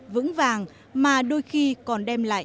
vững vàng mà đôi khi còn đem lại